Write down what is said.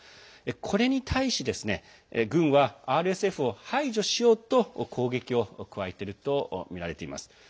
これに対し軍はＲＳＦを排除しようと攻撃を加えているとみられています。